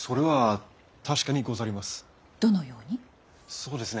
そうですね。